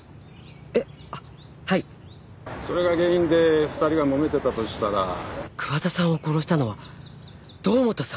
えっあっはいそれが原因で２人がもめてたとしたら桑田さんを殺したのは堂本さん⁉